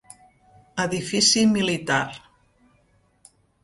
Edifici militar.